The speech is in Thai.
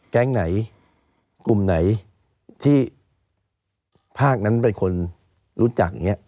แก๊งไหนกลุ่มไหนที่ภาคนั้นเป็นคนรู้จักอย่างนี้